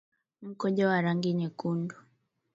Mkojo wa rangi nyekundu